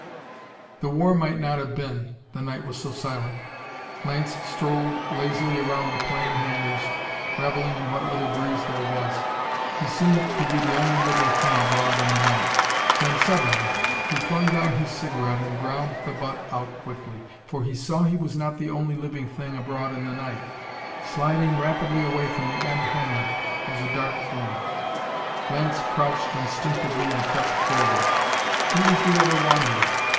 The war might not have been, the night was so silent. Lance strolled lazily around the plane hangars, revelling in what little breeze there was. He seemed to be the only living thing abroad in the night. Then, suddenly, he flung down his cigarette and ground the butt out quickly. For he saw he was not the only living thing abroad in the night. Sliding rapidly away from the end hangar was a dark form! Lance crouched instinctively and crept forward. Who was the other wanderer?